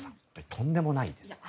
とんでもないですね。